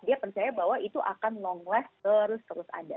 dia percaya bahwa itu akan long less terus terus ada